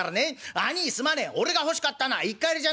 『兄いすまねえ俺が欲しかったのは一荷入りじゃなかった。